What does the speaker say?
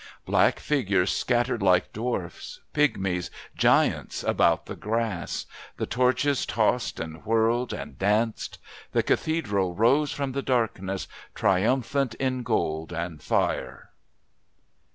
Black figures scattered like dwarfs, pigmies, giants about the grass. The torches tossed and whirled and danced. The Cathedral rose from the darkness, triumphant in gold and fire.